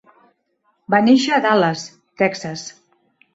Va néixer a Dallas, Texas.